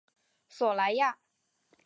索莱亚。